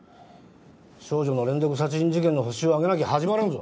少女の連続殺人事件のホシを挙げなきゃ始まらんぞ。